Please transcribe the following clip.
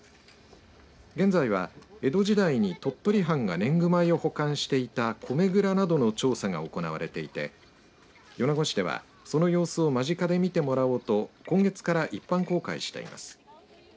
現在は、江戸時代に鳥取藩が年貢米を保管していた米蔵などの調査が行われていて米子市ではその様子を間近で見てもらおうと今月から一般公開しています。